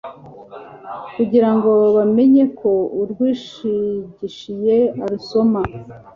kugira ngo bamenye ko urwishigishiye arusoma